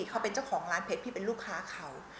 เขาเป็นเจ้าของร้านเพชรพี่เป็นลูกค้าเขา